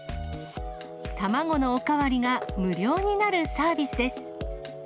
卵のおかわりが無料になるサービスです。